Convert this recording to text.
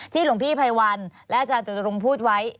ที่หลวงพี่ภัยวัลและอาจารย์จนตรงพูดไว้